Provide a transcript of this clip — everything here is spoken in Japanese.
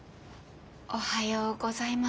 おはようございます。